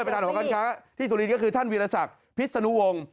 ประธานของการค้าที่สุรินก็คือท่านวิรสักษณ์พิษฎนวงศ์